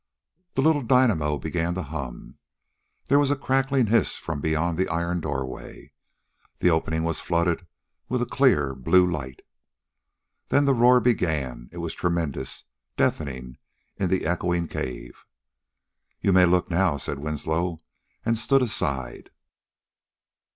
The little dynamo began to hum. There was a crackling hiss from beyond the iron doorway. The opening was flooded with a clear blue light. Then the roar began. It was tremendous, deafening, in the echoing cave. "You may look now," said Winslow, and stood aside.